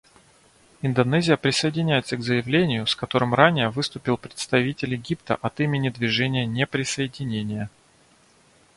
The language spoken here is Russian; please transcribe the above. Индонезия присоединяется к заявлению, с которым ранее выступил представитель Египта от имени Движения неприсоединения.